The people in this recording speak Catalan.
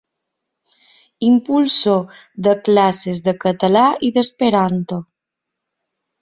Impulsor de classes de català i d'esperanto.